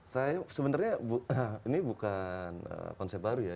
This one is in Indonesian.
saya sebenarnya ini bukan konsep baru ya